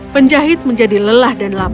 penjahit menjadi lelah dan lapar